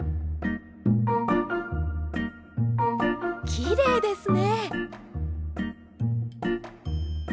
きれいですね！